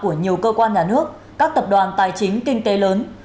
của nhiều cơ quan nhà nước các tập đoàn tài chính kinh tế lớn